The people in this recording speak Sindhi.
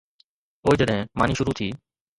پوءِ جڏهن ماني شروع ٿي.